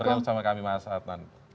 terima kasih banyak banyak